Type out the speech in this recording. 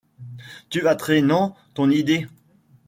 Tu vas traînant ton idée